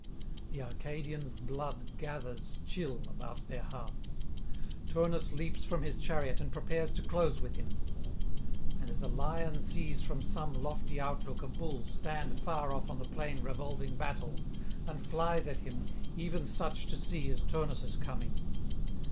The Arcadians' blood gathers chill about their hearts. Turnus leaps from his chariot and prepares to close with him. And as a lion sees from some lofty outlook a bull stand far off on the plain revolving battle, and flies at him, even such to see is Turnus' coming.